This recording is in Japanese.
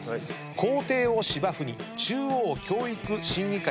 「校庭を芝生に中央教育審議会提言へ」